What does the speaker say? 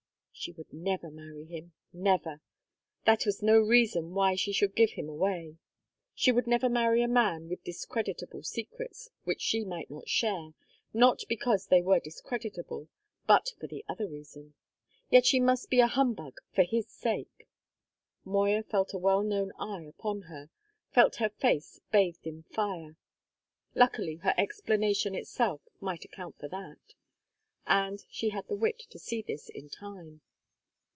She would never marry him, never! That was no reason why she should give him away. She would never marry a man with discreditable secrets which she might not share, not because they were discreditable, but for the other reason. Yet she must be a humbug for his sake! Moya felt a well known eye upon her, felt her face bathed in fire; luckily her explanation itself might account for that, and she had the wit to see this in time.